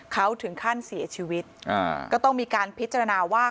เขาถึงขั้นเสียชีวิตอ่าก็ต้องมีการพิจารณาว่า